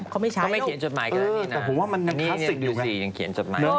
ก็ไม่ใช่ไม่เขียนจดหมายก็แบบนี้นะแต่ผมว่ามันคลาสสิกอยู่ไง